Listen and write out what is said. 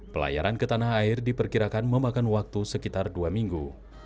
pelayaran ke tanah air diperkirakan memakan waktu sekitar dua minggu